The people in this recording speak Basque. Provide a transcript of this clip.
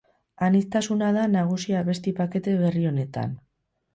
Aniztasuna da nagusi abesti pakete berri honetan.